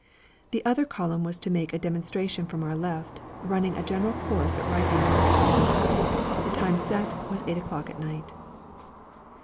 The other column was to make a demonstration from our left, running a general course at right angles to ours. The time set was eight o'clock at night.